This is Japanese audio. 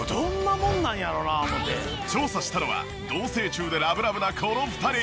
調査したのは同棲中でラブラブなこの２人。